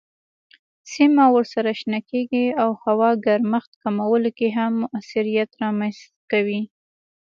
سیمه ورسره شنه کیږي او هوا ګرمښت کمولو کې هم موثریت رامنځ کوي.